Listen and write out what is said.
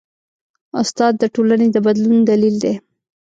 استاد د ټولنې د بدلون دلیل دی.